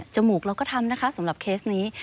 มูกเราก็ทำนะคะสำหรับเคสนี้